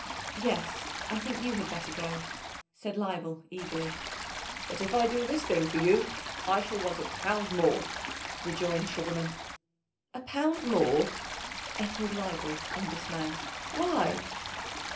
"Yes, I think you had better go," said Leibel eagerly. "But if I do this thing for you I shall want a pound more," rejoined Sugarman. "A pound more!" echoed Leibel, in dismay. "Why?"